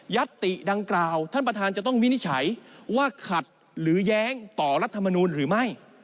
ติดังกล่าวท่านประธานจะต้องวินิจฉัยว่าขัดหรือแย้งต่อรัฐมนูลหรือไม่